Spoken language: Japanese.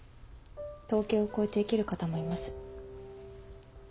統計を超えて生きる方もいます。